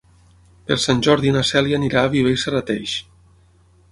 Per Sant Jordi na Cèlia anirà a Viver i Serrateix.